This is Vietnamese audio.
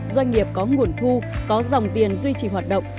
doanh nghiệp có nguồn thu có dòng tiền duy trì hoạt động